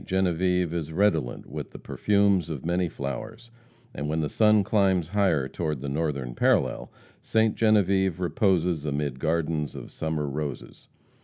Genevieve is redolent with the perfumes of many flowers, and when the sun climbs higher toward the northern parallel, Ste. Genevieve reposes amid gardens of summer roses.